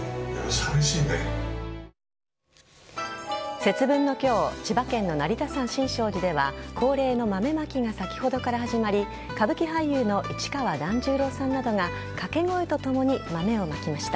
節分の今日千葉県の成田山新勝寺では恒例の豆まきが先ほどから始まり歌舞伎俳優の市川團十郎さんなどが掛け声とともに豆をまきました。